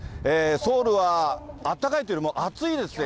ソウルはあったかいというよりも、暑いですね。